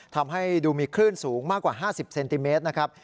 ทำให้ดูมีคลื่นสูงมากกว่า๕๐เซนติเมตรนะครับ